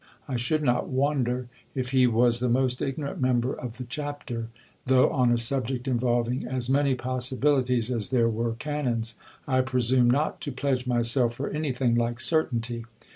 I should not wonder if he was the most ignorant member of the chapter, though on a subject involving as many possibilities as there were tianons, I presume not to pledge myself for anything like certainty.